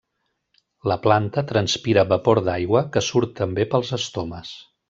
La planta transpira vapor d'aigua que surt també pels estomes.